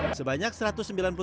pemirsa indonesia pemirsa indonesia